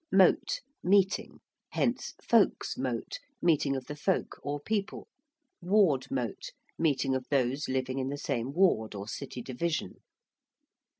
~mote~: meeting; hence ~folks' mote~, meeting of the folk or people; ~ward mote~, meeting of those living in the same ward or city division.